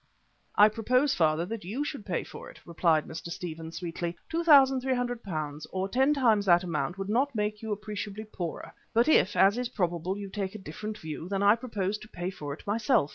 "I propose, father, that you should pay for it," replied Mr. Stephen sweetly. "Two thousand three hundred pounds, or ten times that amount, would not make you appreciably poorer. But if, as is probable, you take a different view, then I propose to pay for it myself.